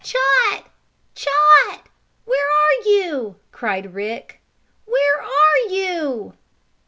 "Chot! Chot! Where are you?" cried Rick. "Where are you?"